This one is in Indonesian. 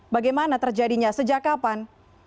bagaimana terjadinya sejak kapan